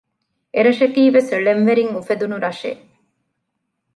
އެރަށަކީ ވެސް ޅެން ވެރިން އުފެދުނު ރަށެއް